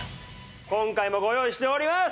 今回もご用意しております。